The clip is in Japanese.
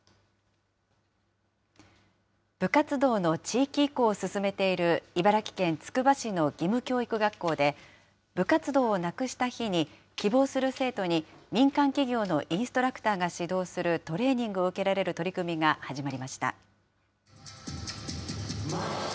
部活動の地域移行を進めている茨城県つくば市の義務教育学校で、部活動をなくした日に希望する生徒に民間企業のインストラクターが指導するトレーニングを受けられる取り組みが始まりました。